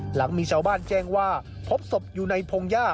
หลังมีชาวบ้านแจ้งว่าพบศพอยู่ในพงหญ้า